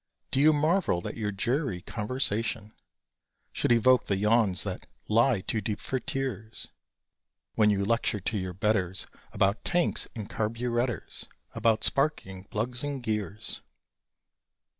Do you marvel that your dreary conversation Should evoke the yawns that "lie too deep for tears," When you lecture to your betters About "tanks" and "carburettors," About "sparking plugs" and "gears"?